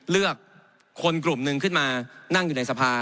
เลือกคนกลุ่มหนึ่งขึ้นมานั่งอยู่ในสภา